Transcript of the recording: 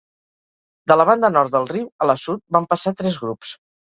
De la banda nord del riu a la sud van passar tres grups.